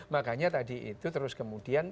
makanya tadi itu terus kemudian